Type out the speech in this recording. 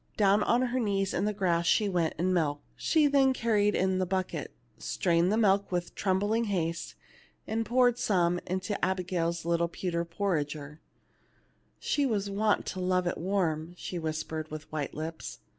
Down on her knees in the grass she went and milked ; then she carried in the bucket, strained the milk with trembling haste, and poured some into Abigail's little pew ter porringer. " She was wont to love it warm," she whispered, with white lips.